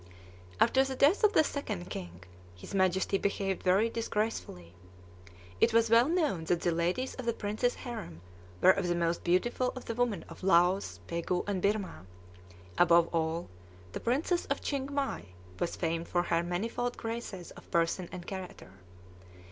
After the death of the Second King, his Majesty behaved very disgracefully. It was well known that the ladies of the prince's harem were of the most beautiful of the women of Laos, Pegu, and Birmah; above all, the Princess of Chiengmai was famed for her manifold graces of person and character.